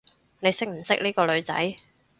你識唔識呢個女仔？